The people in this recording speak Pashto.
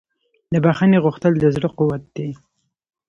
د بښنې غوښتل د زړه قوت دی.